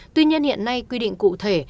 tuy nhiên hiện nay quy định cụ thể